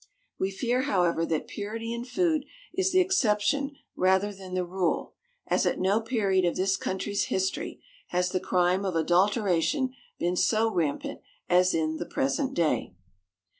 We fear, however, that purity in food is the exception rather than the rule, as at no period of this country's history has the crime of adulteration been so rampant as in the present day.